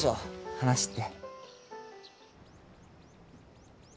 話って。